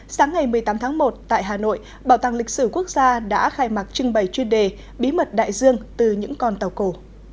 sáng ngày một mươi tám tháng một tại hà nội bảo tàng lịch sử quốc gia đã khai mạc trưng bày chuyên đề bí mật đại dương từ những con tàu cổ